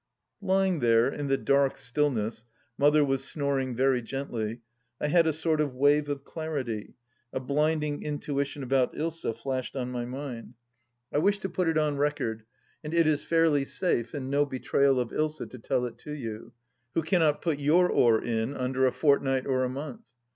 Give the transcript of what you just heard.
... Lying there, in the dark stillness— Mother was snoring very gently — I had a sort of wave of clarity: a blinding intuition about Ilsa flashed on my mind. I wish to put it 132 THE LAST DITCH on record, and it is fairly safe and no betrayal of Ilsa to tell it to you, who cannot put your oar in under a fortnight or a month.